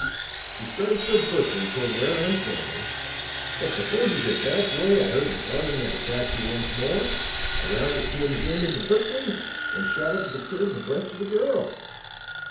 She starts up Berkley toward where I'm standing, but before she gets half way I heard the buzzing of the taxi once more; around it came again into Berkley and shot up to the curb abreast of the girl.